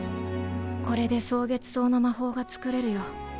これで蒼月草の魔法が作れるよ。